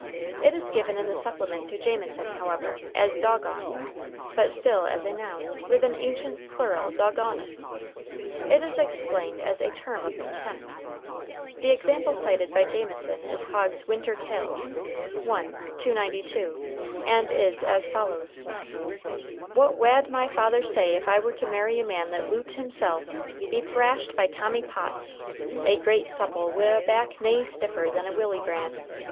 It is given in the supplement to Jamieson, however, as "dogon," but still as a noun, with an ancient plural dogonis. It is explained as "a term of contempt." The example cited by Jamieson is Hogg's "Winter Tales," I. 292, and is as follows: "What wad my father say if I were to marry a man that loot himsel' be thrashed by Tommy Potts, a great supple wi' a back nae stiffer than a willy brand?